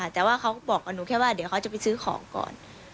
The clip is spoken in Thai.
แต่ว่าเขาก็บอกกับหนูแค่ว่าเดี๋ยวเขาจะไปซื้อของก่อน